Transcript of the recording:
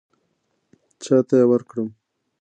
چاته یې ورکړم.